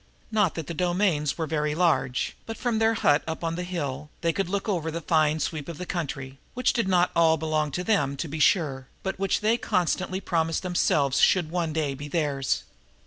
Not that domains were very large, but, from their hut on the hill, they could look over a fine sweep of country, which did not all belong to them, to be sure, but which they constantly promised themselves should one day be theirs.